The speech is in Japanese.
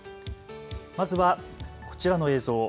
まずはこちらの映像。